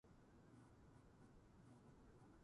みんな協力してー